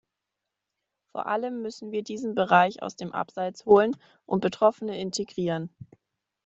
Vor allem müssen wir diesen Bereich aus dem Abseits holen und Betroffene integrieren.